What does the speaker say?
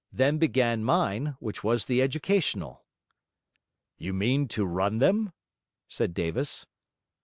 Then began mine, which was the educational.' 'You mean to run them?' said Davis.